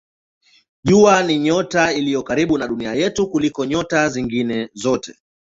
Jua ni nyota iliyo karibu na Dunia yetu kuliko nyota nyingine zote.